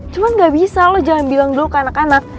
cuma gak bisa lo jangan bilang dulu ke anak anak